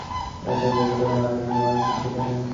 যাজ্ঞবল্ক্য নামে একজন মহর্ষি ছিলেন।